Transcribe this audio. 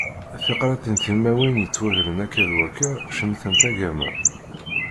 Tiqreɛtin tilmawin yettwadeggren akka d wakka cemtent agama.